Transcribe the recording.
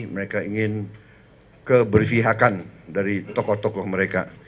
mereka ingin kebervihakan dari tokoh tokoh mereka